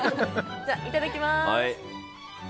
いただきます。